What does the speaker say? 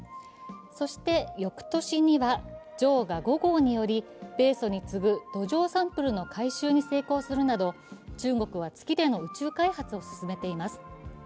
そして翌年には、「嫦娥５号」により、米ソに次ぐ、土壌サンプルの回収に成功するなど中国は月での宇宙開発を進めています。